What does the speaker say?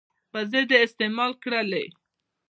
په ضد استعمال کړلې.